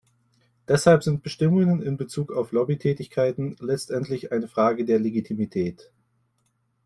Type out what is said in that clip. Deshalb sind Bestimmungen in Bezug auf Lobbytätigkeiten letztendlich eine Frage der Legitimität.